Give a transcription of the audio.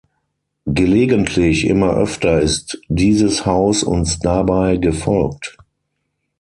Gelegentlich immer öfter ist dieses Haus uns dabei gefolgt.